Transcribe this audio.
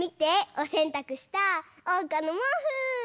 おせんたくしたおうかのもうふ！